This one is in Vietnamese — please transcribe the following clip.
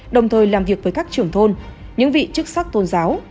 đồng thời làm việc với các trưởng thôn những vị chức sắc tôn giáo